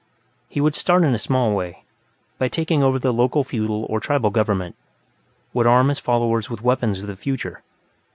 He would start in a small way, by taking over the local feudal or tribal government, would arm his followers with weapons of the future.